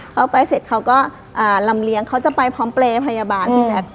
เข้าไปเสร็จเขาก็ลำเลี้ยงเขาจะไปพร้อมเปรยบาล